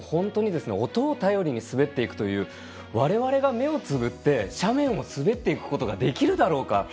音を頼りに滑っていくという我々が目をつむって斜面を滑っていくことができるだろうか。